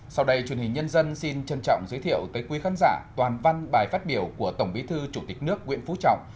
sau đây truyền hình nhân dân xin trân trọng giới thiệu tới quý khán giả toàn văn bài phát biểu của tổng bí thư chủ tịch nước nguyễn phú trọng